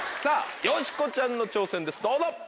さぁよしこちゃんの挑戦ですどうぞ。